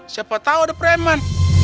siapa tau ada preman